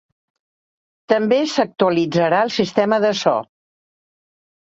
També s'actualitzarà el sistema de so.